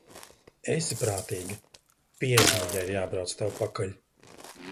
Esi prātīga, piezvani, ja ir jābrauc tev pakaļ.